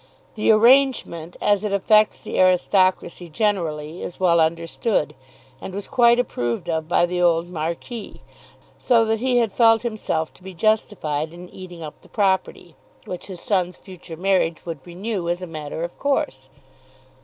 The arrangement, as it affects the aristocracy generally, is well understood, and was quite approved of by the old marquis so that he had felt himself to be justified in eating up the property, which his son's future marriage would renew as a matter of course.